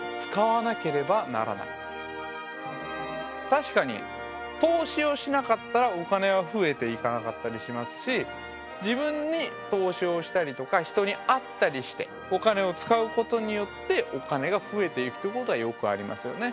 確かに投資をしなかったらお金は殖えていかなかったりしますし自分に投資をしたりとか人に会ったりしてお金を使うことによってお金が殖えていくということはよくありますよね。